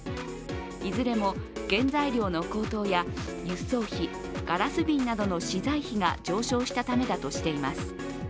いずれも、原材料の高騰や輸送費ガラス瓶などの資材費が上昇したためだとしています。